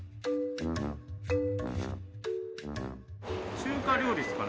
中華料理ですかね。